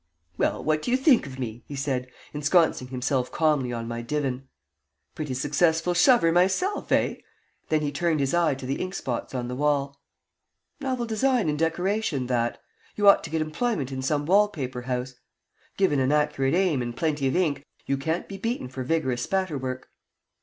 "Well, what do you think of me?" he said, ensconcing himself calmly on my divan. "Pretty successful shover myself, eh?" Then he turned his eye to the inkspots on the wall. "Novel design in decoration, that. You ought to get employment in some wall paper house. Given an accurate aim and plenty of ink, you can't be beaten for vigorous spatter work."